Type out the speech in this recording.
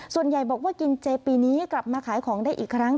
ส่วนใหญ่บอกว่ากินเจปีนี้กลับมาขายของได้อีกครั้ง